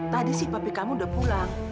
tadi si papi kamu udah pulang